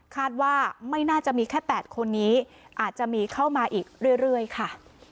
คาดว่าไม่น่าจะมีแค่๘คนนี้อาจจะมีเข้ามาอีกเรื่อยค่ะ